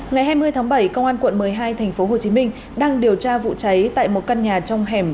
ngày hai mươi tháng bảy công an quận một mươi hai tp hcm đang điều tra vụ cháy tại một căn nhà trong hẻm